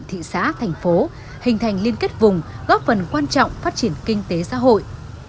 hình thành liên kết vùng góp phần quan trọng phát triển kinh tế xã hội